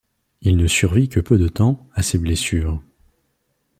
Il ne survit que peu de temps à ses blessures.